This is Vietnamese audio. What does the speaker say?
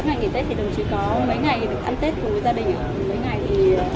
mấy ngày được ăn tết của gia đình